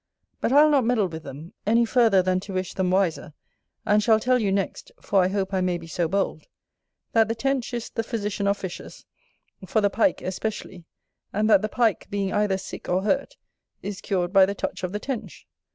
But I'll not meddle with them, any farther than to wish them wiser; and shall tell you next, for I hope I may be so bold, that the Tench is the physician of fishes, for the Pike especially, and that the Pike, being either sick or hurt, is cured by the touch of the Tench.